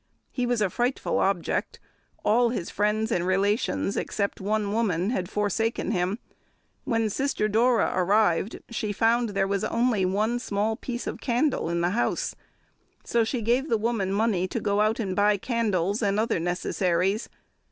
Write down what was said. He was a frightful object: all his friends and relations, except one woman, had forsaken him; when Sister Dora arrived, she found there was only one small piece of candle in the house, so she gave the woman money to go out and buy candles, and other necessaries.